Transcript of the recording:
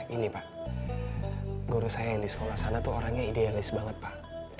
ini pak guru saya yang di sekolah sana tuh orangnya idealis banget pak